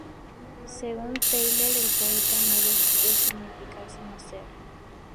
Según Teillier, el poeta no debe significar sino ser.